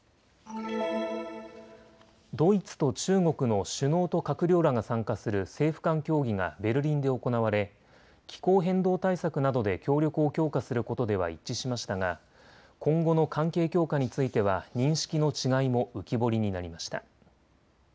ドイツと中国の首脳と閣僚らが参加する政府間協議がベルリンで行われ、気候変動対策などで協力を強化することでは一致しましたが今後の関係強化については認識の違いも浮き彫りになりました。